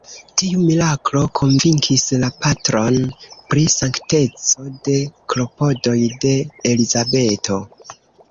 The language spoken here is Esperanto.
Tiu miraklo konvinkis la patron pri sankteco de klopodoj de Elizabeto.